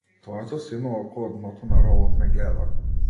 Твоето сино око од дното на ровот ме гледа.